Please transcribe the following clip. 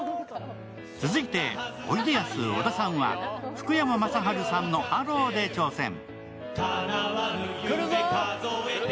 続いて、おいでやす小田さんは福山雅治さんの「ＨＥＬＬＯ」で挑戦。